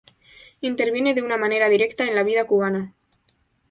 Interviene de una manera directa en la vida cubana.